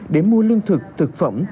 để mua lương thực thực phẩm